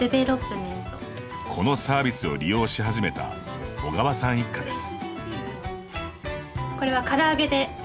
このサービスを利用し始めた小川さん一家です。